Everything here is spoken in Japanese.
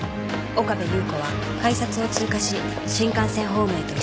岡部祐子は改札を通過し新幹線ホームへと急いだ